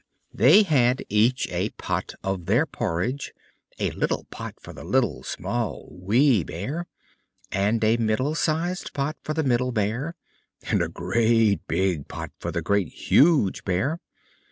They had each a pot for their porridge; a little pot for the Little, Small, Wee Bear; and a middle sized pot for the Middle Bear, and a great pot for the Great, Huge Bear.